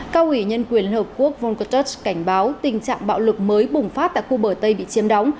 cao ủy nhân quyền liên hợp quốc volcertus cảnh báo tình trạng bạo lực mới bùng phát tại khu bờ tây bị chiếm đóng